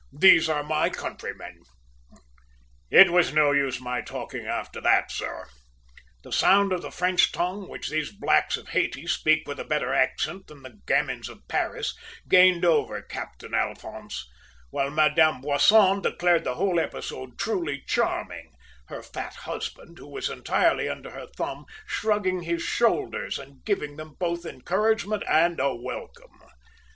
`These are my countrymen!' "It was no use my talking after that, sir. The sound of the French tongue, which these blacks of Hayti speak with a better accent than the gamins of Paris, gained over Captain Alphonse; while Madame Boisson declared the whole episode truly charming, her fat husband, who was entirely under her thumb, shrugging his shoulders and giving them both encouragement and a welcome.